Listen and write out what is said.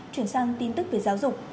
chuyển sang tin tức về giáo dục